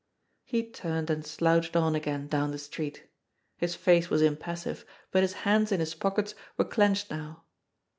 He turned and slouched on again down the street. His face was impassive, but his hands in his pockets were clenched now.